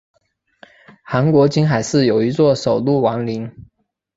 韩国金海市有一座首露王陵。